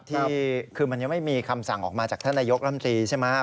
ที่คือมันยังไม่มีคำสั่งออกมาจากท่านนายกรัมตรีใช่ไหม